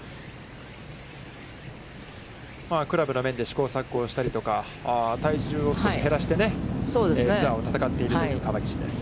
クラブの面で試行錯誤をしたりとか、体重を少し減らしてツアーを戦っているという川岸です。